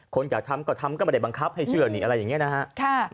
คนอยากทำก็ทำก็ไม่ได้บังคับให้เชื่อนี่อะไรอย่างนี้นะฮะ